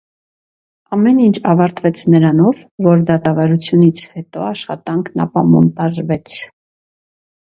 Ամեն ինչ ավարտվեց նրանով, որ դատավարությունից հետո աշխատանքն ապամոնտաժվեց։